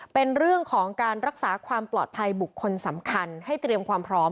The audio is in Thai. เป็นเรื่องของการรักษาความปลอดภัยบุคคลสำคัญให้เตรียมความพร้อม